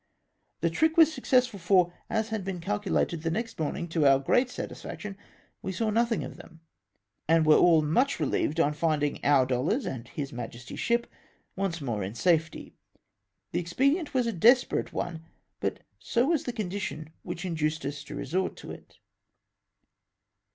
The trick was successful, for, as had been calculated, the next morning, to oiu" great satisfaction, Ave saw nothing of them, and were all much relieved on finding our dollars and his Majesty's ship once more in safety. The expedient was a des perate one, but so was the condition wliich induced us to resort to it.